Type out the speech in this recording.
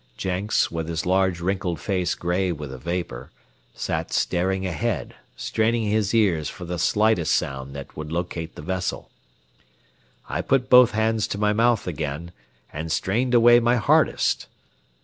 Jenks, with his large wrinkled face gray with the vapor, sat staring ahead, straining his ears for the slightest sound that would locate the vessel. I put both hands to my mouth again, and strained away my hardest.